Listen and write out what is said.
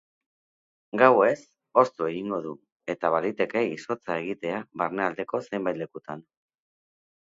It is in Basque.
Gauez hoztu egingo du, eta baliteke izotza egitea barnealdeko zenbait lekutan.